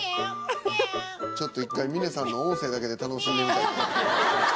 ちょっと一回峰さんの音声だけで楽しんでみたい。